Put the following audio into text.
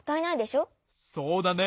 そうだね。